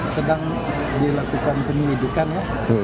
yang dilakukan pemilikan ya